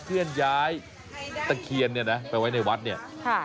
เคลื่อนย้ายตะเคียนเนี่ยนะไปไว้ในวัดเนี่ยค่ะ